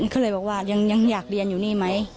เขาเลยบอกว่ายังอยากเรียนอยู่นี่ไหม